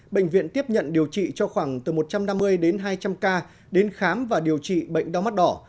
bệnh viện tiếp nhận điều trị cho khoảng từ một trăm năm mươi đến hai trăm linh ca đến khám và điều trị bệnh đau mắt đỏ